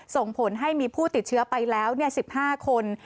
ส่งผลให้มีผู้ติดเชื้อไปแล้ว๑๕คน